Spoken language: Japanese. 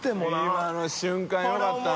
今の瞬間よかったな。